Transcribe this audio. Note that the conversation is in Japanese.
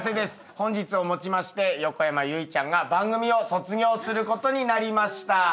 本日をもちまして横山由依ちゃんが番組を卒業することになりました。